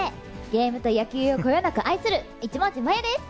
ゲームと野球をこよなく愛する一文字マヤです。